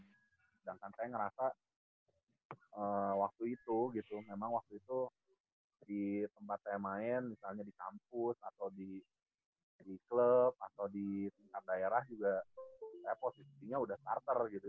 sedangkan saya ngerasa waktu itu gitu memang waktu itu di tempat saya main misalnya di kampus atau di klub atau di tingkat daerah juga saya posisinya udah starter gitu